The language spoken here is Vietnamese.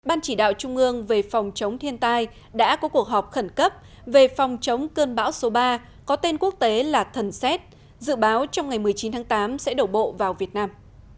ban chỉ đạo trung ương về phòng chống thiên tai đã có cuộc họp khẩn cấp về phòng chống cơn bão số ba có tên quốc tế là thần xét dự báo trong ngày một mươi chín tháng tám sẽ đổ bộ vào việt nam